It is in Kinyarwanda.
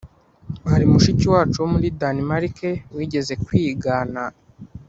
Hari mushiki wacu wo muri Danimarike wigeze kwigana